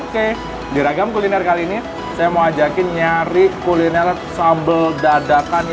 kuliner sambal dadakan